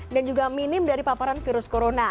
dan juga minim dari paparan virus corona